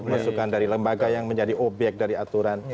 masukan dari lembaga yang menjadi obyek dari aturan